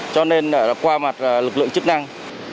cho nên là qua mặt lực lượng chức năng